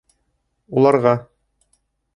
Уларға: